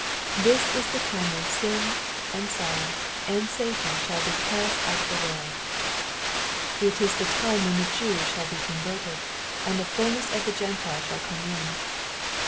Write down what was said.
This is the time when sin, and sorrow, and Satan shall be cast out of the £2 EXPOSITOBY THOUOflTS. world. It is the time when the Jews shall be converted, and the fulness of the Gentiles shall come in, (Bom.